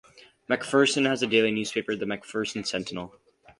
McPherson has a daily newspaper, "The McPherson Sentinel".